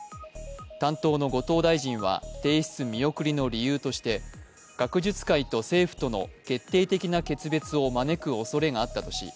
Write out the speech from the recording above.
担当の後藤大臣は提出見送りの理由として学術界と政府との決定的な決別を招くおそれがあったとし